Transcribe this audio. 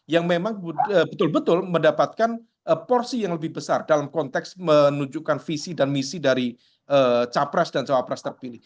yang memang betul betul mendapatkan porsi yang lebih besar dalam konteks menunjukkan visi dan misi dari capres dan cawapres terpilih